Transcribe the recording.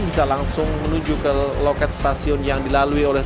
bisa langsung menuju ke loket stasiun yang dilalui oleh